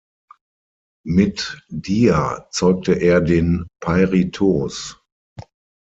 Mit Dia zeugte er den Peirithoos.